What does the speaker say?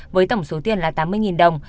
với tổng số tiền là tám mươi đồng